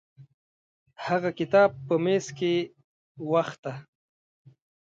هغه کتاب په میز کې وخته.